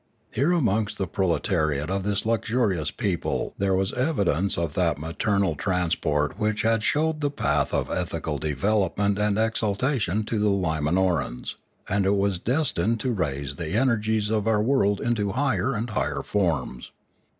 Here amongst the proletariate of this luxurious people there was evidence of that maternal transport which had showed the path of ethical development and exal tation to the Limanorans, and was destined to raise the energies of our world into higher and higher forms.